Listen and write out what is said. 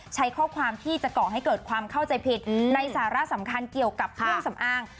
ใช้ข้อความที่จะก่อให้เกิดความเข้าใจผิดในสาระสำคัญเกี่ยวกับเครื่องสำอาง